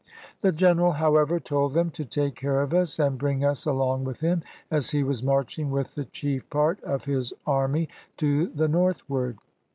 "The general, however, told them to take care of us, and bring us along with him, as he was marching with the chief part of his army to the northward.